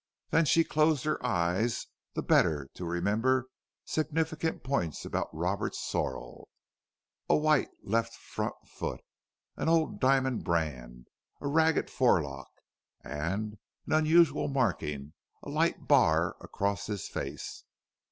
Then she closed her eyes the better to remember significant points about Roberts's sorrel a white left front foot, an old diamond brand, a ragged forelock, and an unusual marking, a light bar across his face.